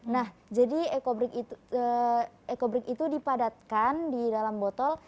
nah jadi ecobrik itu dipadatkan di dalam botol